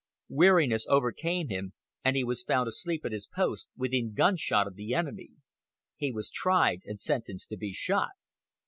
Weariness overcame him, and he was found asleep at his post, within gunshot of the enemy. He was tried, and sentenced to be shot.